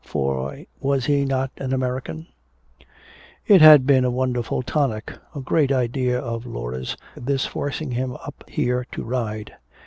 For was he not an American? It had been a wonderful tonic, a great idea of Laura's, this forcing him up here to ride.